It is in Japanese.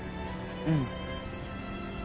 うん。